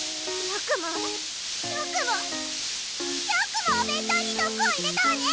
よくもよくもよくもお弁当に毒を入れたわね！